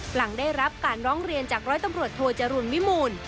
หลังได้รับการร้องเรียนจากร้อยตำรวจโทจรูลวิมูล